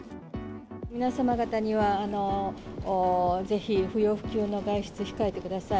皆様方には、ぜひ不要不急の外出、控えてください。